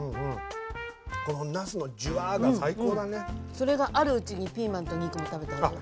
それがあるうちにピーマンと肉も食べた方がいいよ。